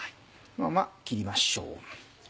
このまま切りましょう。